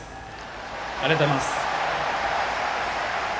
ありがとうございます。